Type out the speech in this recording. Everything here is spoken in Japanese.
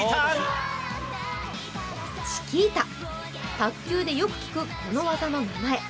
卓球でよく聞くこの技の名前。